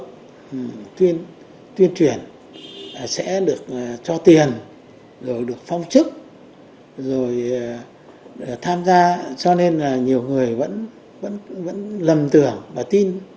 các đối tượng tuyên truyền sẽ được cho tiền rồi được phong chức rồi tham gia cho nên là nhiều người vẫn lầm tưởng và tin